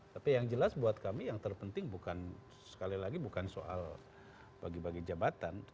tapi yang jelas buat kami yang terpenting bukan sekali lagi bukan soal bagi bagi jabatan